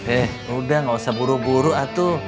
eh udah gak usah buru buru atau